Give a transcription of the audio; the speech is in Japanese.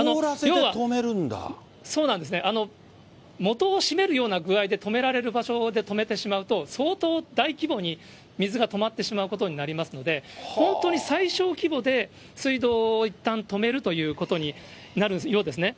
そうなんですね、元を閉めるような具合で止められる場所で止めてしまうと、相当大規模に水が止まってしまうことになりますので、本当に最小規模で、水道をいったん止めるということになるようですね。